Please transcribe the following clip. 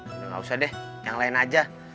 enggak usah deh yang lain aja